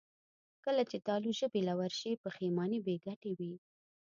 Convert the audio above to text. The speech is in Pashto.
کله چې تالو ژبې له ورشي، پښېماني بېګټې وي.